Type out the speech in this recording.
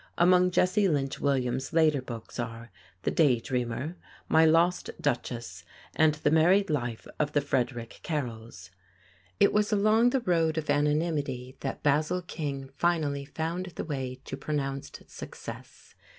Among Jesse Lynch Williams' later books are "The Day Dreamer," "My Lost Duchess," and "The Married Life of the Frederick Carrolls." [Illustration: THEODORE DREISER] It was along the road of anonymity that Basil King finally found the way to pronounced success.